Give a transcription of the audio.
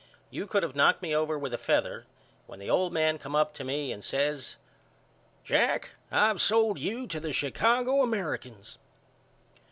You could of knocked me over with a feather when the old man come up to me and says Jack I've sold you to the Chicago Americans.